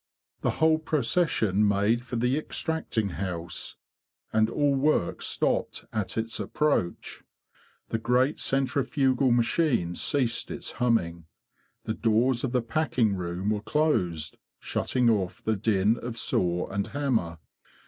The whole procession made for the extracting house, and all work stopped at its approach. The great centrifugal machine ceased its humming. The doors of the packing room were closed, shutting of the din of saw and hammer.